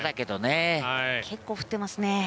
結構降ってますね。